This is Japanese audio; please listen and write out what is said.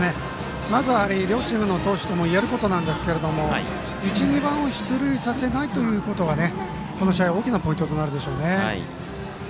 まず、両チームの投手ともに言えることなんですけど１、２番を出塁させないことがこの試合大きなポイントとなるでしょうね。